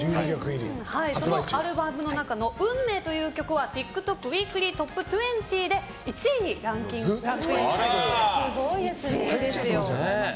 そのアルバムの中の「運命」という曲はＴｉｋＴｏｋＷｅｅｋｌｙＴｏｐ２０で１位にランクインしました。